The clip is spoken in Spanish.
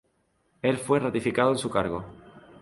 El fue ratificado en su cargo.